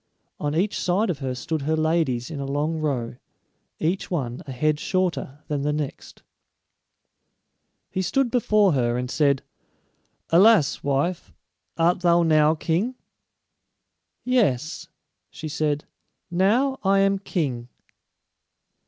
On each side of her stood her ladies in a long row, each one a head shorter than the next. He stood before her, and said, "Alas, wife, art thou now king?" "Yes," she said; "now I am king."